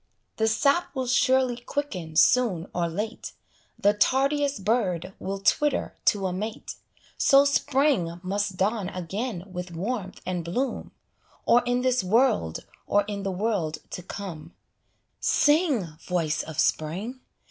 The sap will surely quicken soon or late, The tardiest bird will twitter to a mate; So Spring must dawn again with warmth and bloom, Or in this world, or in the world to come: Sing, voice of Spring!